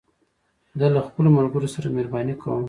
زه له خپلو ملګرو سره مهربانې کوم.